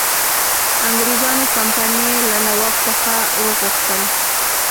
انګرېزانو کمپنی له نواب څخه وغوښتل.